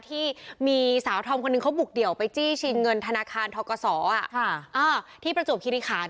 ที่มีสาวธอมคนหนึ่งเขาบุกเดี่ยวไปจี้ชิงเงินธนาคารทกศที่ประจวบคิริขัน